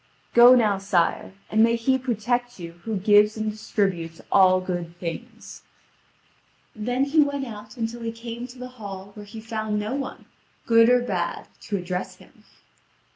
"Go now, sire, and may He protect you who gives and distributes all good things." (Vv. 5347 5456.) Then he went until he came to the hall where he found no one, good or bad, to address him.